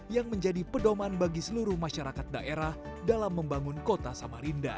yang menjadi pedoman bagi seluruh masyarakat daerah dalam membangun kota samarinda